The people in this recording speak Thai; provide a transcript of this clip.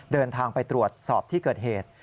เดินทางไปตรวจสอบที่เกิดเหตุ